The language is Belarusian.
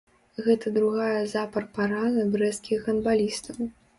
Гэта другая запар параза брэсцкіх гандбалістаў.